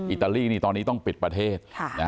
อิตาลีนี่ตอนนี้ต้องปิดประเทศ